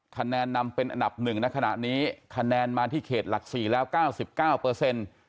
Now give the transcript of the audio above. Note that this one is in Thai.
คะแนนนำเป็นอันดับหนึ่งในขณะนี้คะแนนมาที่เขตหลัก๔แล้ว๙๙เปอร์เซ็นต์